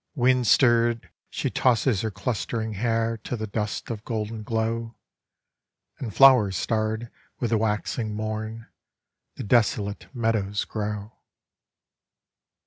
Windstirred she tosses her clustering hair to the dust of golden glow, and flower starred with the waxing morn the desolate meadows grow.